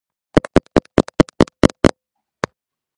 პუმა ნადირობს როგორც გარეულ, ისე შინაურ ცხოველებზე.